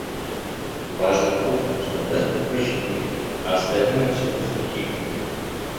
Важно то, что дважды два четыре, а остальное все пустяки.